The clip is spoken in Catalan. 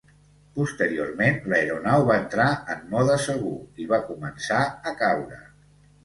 Posteriorment l'aeronau va entrar en mode segur i va començar a caure.